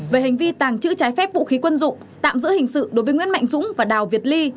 về hành vi tàng trữ trái phép vũ khí quân dụng tạm giữ hình sự đối với nguyễn mạnh dũng và đào việt ly